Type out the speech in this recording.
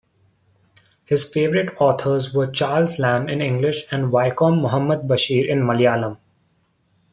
His favorite authors were Charles Lamb in English and Vaikom Muhammad Basheer in Malayalam.